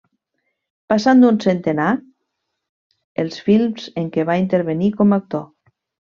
Passant d'un centenar els films en què va intervenir com a actor.